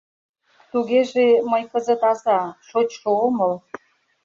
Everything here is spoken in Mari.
Тугеже, мый кызыт аза, шочшо, омыл